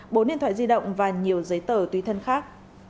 bốn điện thoại di động và nhiều giấy tờ tùy thân khác